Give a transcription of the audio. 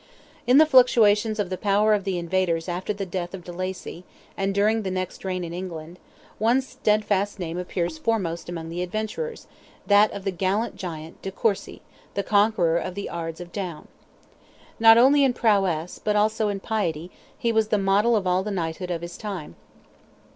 In the fluctuations of the power of the invaders after the death of de Lacy, and during the next reign in England, one steadfast name appears foremost among the adventurers—that of the gallant giant, de Courcy, the conqueror of the Ards of Down. Not only in prowess, but also in piety, he was the model of all the knighthood of his time.